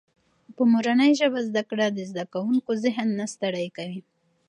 په مورنۍ ژبه زده کړه د زده کوونکي ذهن نه ستړی کوي.